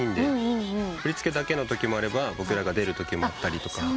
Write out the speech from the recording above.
振り付けだけのときもあれば僕らが出るときもあったり。